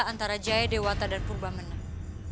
antara jaya dewata dan purba meneng